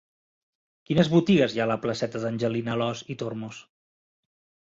Quines botigues hi ha a la placeta d'Angelina Alòs i Tormos?